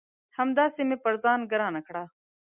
همداسي مې پر ځان ګرانه کړه